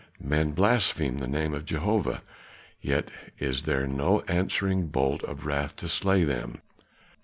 Men blaspheme the name of Jehovah, yet is there no answering bolt of wrath to slay them.